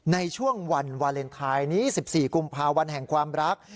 ในช่วงวันวาเลนไทยนี้๑๔กุมภาวันแห่งความรัก